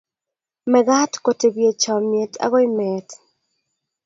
mekat ko tebie chamyet agoi meet